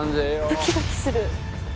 ドキドキする。